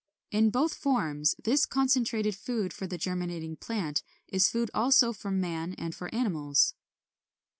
In both forms this concentrated food for the germinating plant is food also for man and for animals.